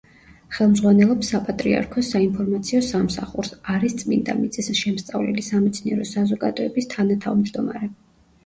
ხელმძღვანელობს საპატრიარქოს საინფორმაციო სამსახურს, არის „წმიდა მიწის“ შემსწავლელი სამეცნიერო საზოგადოების თანათავმჯდომარე.